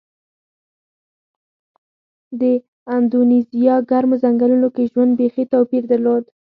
د اندونیزیا ګرمو ځنګلونو کې ژوند بېخي توپیر درلود.